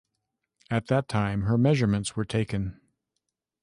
At that time her measurements were taken.